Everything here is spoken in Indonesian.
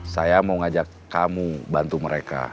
saya mau ngajak kamu bantu mereka